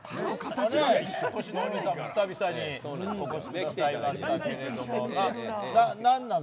トシのお兄さんも久々にお越しいただきましたけれども。